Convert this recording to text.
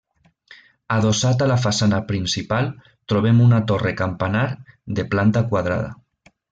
Adossat a la façana principal trobem una torre campanar de planta quadrada.